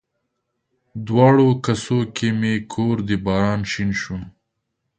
دواړو کسو کې مې کور د باران شین شو